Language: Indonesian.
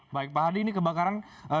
baik pak hadi ini kebakaran